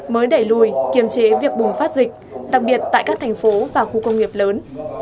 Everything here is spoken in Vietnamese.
mới đẩy lùi kiềm chế việc bùng phát dịch đặc biệt tại các thành phố và khu công nghiệp lớn